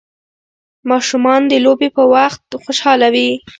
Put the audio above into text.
ماشومان د لوبې په وخت خوشحاله ول.